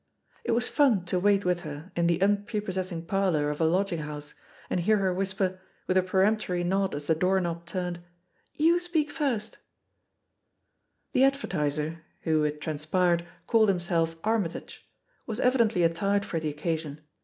It was fun to wait with her in the unprepossess ing parlour of a lodging house and hear her whisper, with a peremptory nod as the door knob turned, '^Tou speak first I'* The advertiser — ^who, it transpired, called himself Armytage — was evidently attired for the occasion.